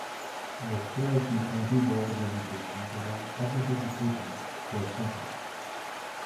The Cherokee County Board of Education provides public education for Centre.